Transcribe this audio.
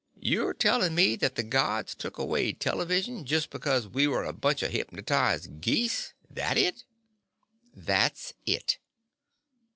"You're telling me that the Gods took away television just because we were a bunch of hypnotized geese. That it?" "That's it."